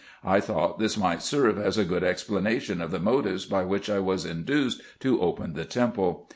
I thought this might serve as a good explanation of the motives by which I was induced to open the temple.